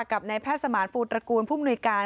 กับนายแพทย์สมานฟูตระกูลผู้มนุยการ